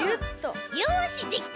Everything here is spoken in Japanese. よしできた！